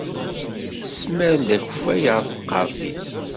Tesmar-d akeffay ɣer tqerfit.